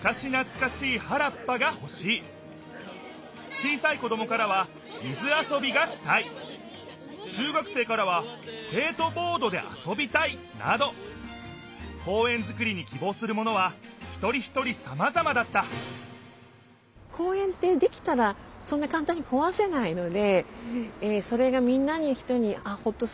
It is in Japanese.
小さい子どもからは「水遊びがしたい」中学生からは「スケートボードで遊びたい」など公園づくりにきぼうするものはひとりひとりさまざまだったそれがふにおちる点を見つけないといけないと思うので。